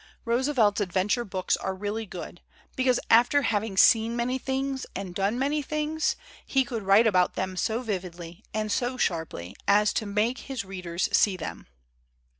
Roose velt's adventure books are really good, because, after having seen many things and done many , he could write about them so vividly and so sharply as to make his readers Bee them.